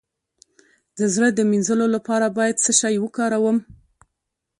د زړه د مینځلو لپاره باید څه شی وکاروم؟